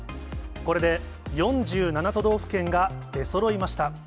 これで４７都道府県が出そろいました。